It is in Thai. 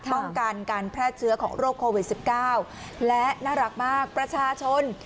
ป้องกันการแพร่เชื้อของโรคโควิด๑๙และน่ารักมากประชาชน